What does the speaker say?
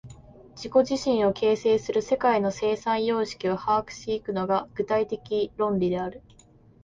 自己自身を形成する世界の生産様式を把握し行くのが、具体的論理である。